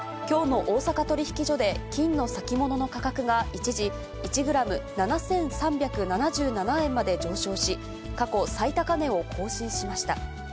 きょうの大阪取引所で金の先物の価格が一時、１グラム７３７７円まで上昇し、過去最高値を更新しました。